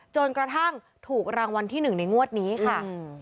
จนกระทั่งถูกรางวัลที่๑ในงวดนี้ค่ะ